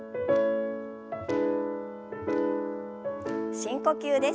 深呼吸です。